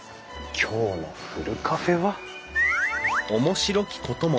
今日のふるカフェは。